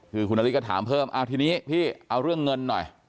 คือคุณนาริสก็ถามเพิ่มทีนี้พี่เอาเรื่องเงินหน่อย